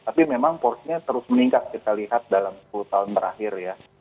tapi memang porsinya terus meningkat kita lihat dalam sepuluh tahun terakhir ya